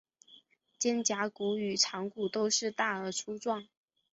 肩胛骨与肠骨都是大而粗壮。